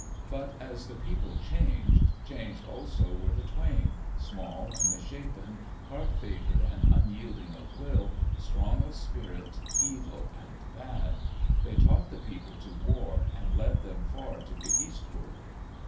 But as the people changed, changed also were the Twain, small and misshapen, hard favored and unyielding of will, strong of spirit, evil and bad. They taught the people to war, and led them far to the eastward.